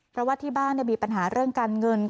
เพราะว่าที่บ้านมีปัญหาเรื่องการเงิน